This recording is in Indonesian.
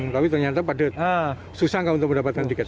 tapi ternyata pada susah nggak untuk mendapatkan tiket